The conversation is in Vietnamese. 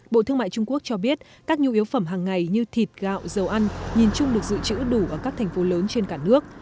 bộ thương mại trung quốc cho biết các nhu yếu phẩm hàng ngày như thịt gạo dầu ăn nhìn chung được dự trữ đủ ở các thành phố lớn trên cả nước